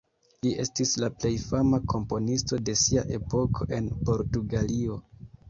Li estis la plej fama komponisto de sia epoko en Portugalio.